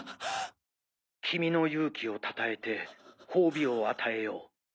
君の勇気を称えて褒美を与えよう。